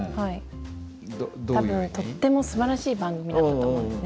多分とってもすばらしい番組だったと思うんですね。